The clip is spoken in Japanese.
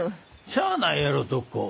しゃあないやろ徳子。